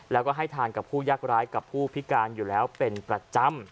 แล้วก็ให้ทานกับผู้ยากร้ายกับผู้พิการอยู่แล้วเป็นประจำ